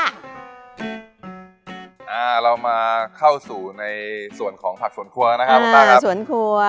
อ่าเรามาเข้าสู่ในส่วนของผักสวนครัวนะครับบ๊าบ๊าครับ